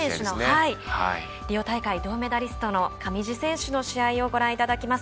リオ大会銅メダリストの上地結衣選手の試合をご覧いただきます。